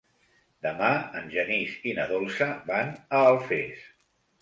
Demà en Genís i na Dolça van a Alfés.